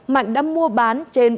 mạnh đã mua bán trên